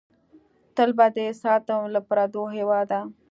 تل به دې ساتم له پردو هېواده!